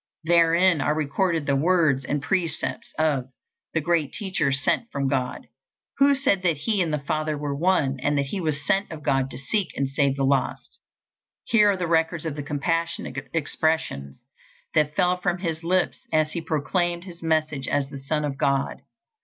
Therein are recorded the words and precepts of "the Great Teacher sent from God," who said that he and the Father were one, and that he was sent of God to seek and save the lost. Here are the records of the compassionate expressions that fell from his lips as he proclaimed his message as the Son of God.